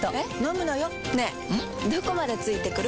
どこまで付いてくる？